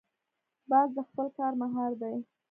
باز د خپل کار ماهر دی